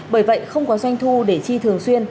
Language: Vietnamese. bởi vậy không có doanh thu để chi thường xuyên